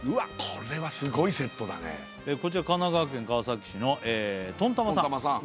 これはすごいセットだねこちら神奈川県川崎市のとんたまさん